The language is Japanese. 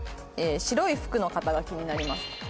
「白い服の方が気になります」。